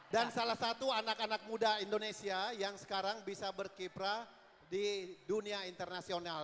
dan salah satu anak anak muda indonesia yang sekarang bisa berkiprah di dunia internasional